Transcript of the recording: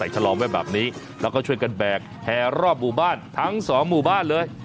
ใส่กับงอนแผงแบบนี้แล้วก็ช่วยกันแบกแบบและรอบหมู่บ้านทั้งสองหมู่บ้านเลย